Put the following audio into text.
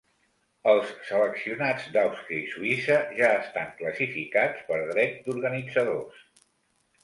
Els seleccionats d'Àustria i Suïssa ja estan classificats per dret d'organitzadors.